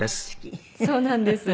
そうなんです。